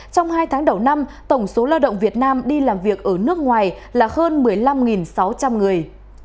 trong hai tháng đầu năm tổng số lao động việt nam đi làm việc ở nước ngoài là hơn một mươi năm sáu trăm linh người